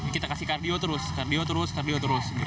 kita kasih cardio terus cardio terus cardio terus